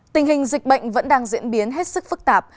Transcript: tình hình dịch bệnh vẫn đang diễn biến hết sức phức tạp